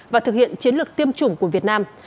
và thực hiện chiến lược tiêm chủng của việt nam